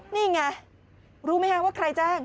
นี่ไงรู้ไหมคะว่าใครแจ้ง